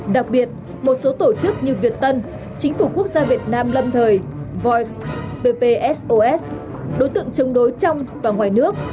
đặc biệt một số tổ chức như việt tân chính phủ quốc gia việt nam lâm thời voice ppsos đối tượng chống đối trong và ngoài nước